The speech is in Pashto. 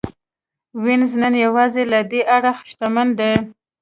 وینز نن یوازې له دې اړخه شتمن دی